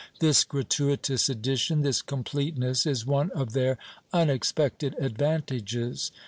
This gratuitous addition, this completeness, is one of their unexpected advantages.